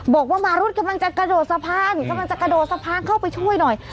บอกว่ามารุดกำลังจะกระโดดสะพานกำลังจะกระโดดสะพานเข้าไปช่วยหน่อย